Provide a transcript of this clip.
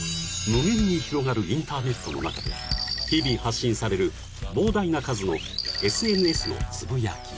［無限に広がるインターネットの中で日々発信される膨大な数のＳＮＳのつぶやき］